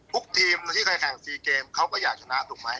ทุกทีมที่เคยแข่ง๔เกมเขาก็อยากชนะถูกไหม